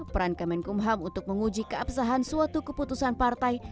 peran kemenkum ham untuk menguji keabsahan suatu keputusan partai